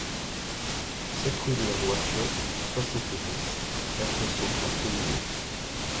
sept rue de la Roichotte, soixante-dix, quatre cents à Saulnot